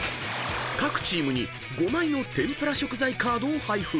［各チームに５枚の天ぷら食材カードを配布］